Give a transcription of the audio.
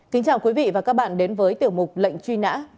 kính chào quý vị và các bạn đến với tiểu mục lệnh truy nã